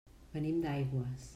Venim d'Aigües.